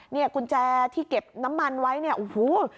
เนี่ยกุญแจที่เก็บน้ำมันไว้เนี่ยอู๊